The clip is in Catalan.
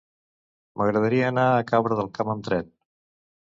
M'agradaria anar a Cabra del Camp amb tren.